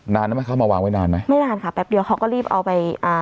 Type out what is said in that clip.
นานนะมั้ยคะมาวางไว้นานมั้ยไม่นานค่ะแป๊บเดียวเขาก็รีบเอาไป